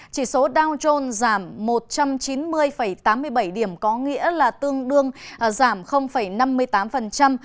chỉ số down trôn giảm một trăm chín mươi tám mươi bảy điểm có nghĩa là tương đương giảm năm mươi tám